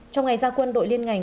trong ngày gia quân đội liên ngành